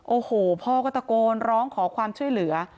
โอ้โหพ่อก็ตะโกนร้องขอความช่วยเหลือ